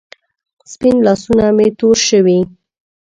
سپین لاسونه مې تور شوې